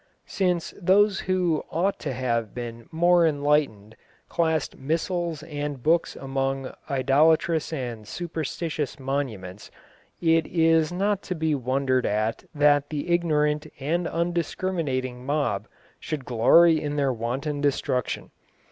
Since those who ought to have been more enlightened classed missals and books among idolatrous and superstitious monuments, it is not to be wondered at that the ignorant and undiscriminating mob should glory in their wanton destruction.